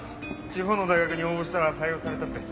地方の大学に応募したら採用されたって。